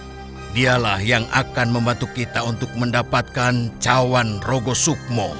dan dialah yang akan membantu kita untuk mendapatkan cawan rogo sukmo